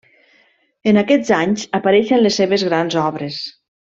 En aquests anys apareixen les seves grans obres.